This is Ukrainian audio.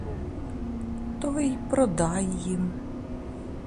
То й продай їм!